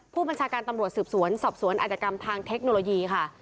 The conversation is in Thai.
ผู้บัญชาการตำรวจสืบสวนสอบสวนอาจกรรมทางเทคโนโลยีค่ะ